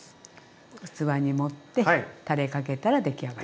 器に盛ってたれかけたらできあがり。